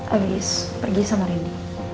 abis pergi sama rendy